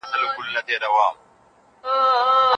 په کورني تدریس کي د ماشوم زړه نه ماتېږي.